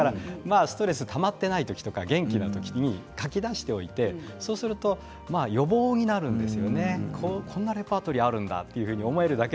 ストレスたまっていない時に元気な時に書き出しておいてそうすると予防になるんですよね。